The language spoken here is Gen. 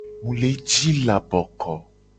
Mu le ji laboko.